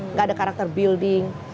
nggak ada karakter building